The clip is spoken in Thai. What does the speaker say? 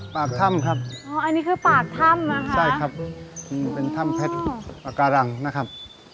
ปากถ้ำครับอ๋ออันนี้คือปากถ้ำนะคะใช่ครับเป็นถ้ำเพชรปากการังนะครับ